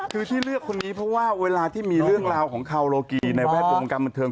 คือที่เลือกคนนี้เพราะว่าเวลาที่มีเรื่องราวของคาวโลกีในแวดวงวงการบันเทิง